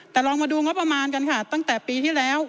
แต่ลองมาดูงบประมาณกันค่ะตั้งแต่ปีที่แล้ว